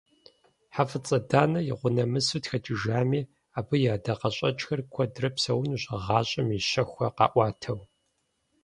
ХьэфӀыцӀэ Данэ игъуэнэмысу тхэкӀыжами, абы и ӀэдакъэщӀэкӀхэр куэдрэ псэунущ гъащӀэм и щэхухэр къаӀуатэу.